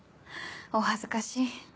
お恥ずかしい。